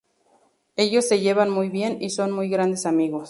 Ellos se llevan muy bien y son muy grandes amigos.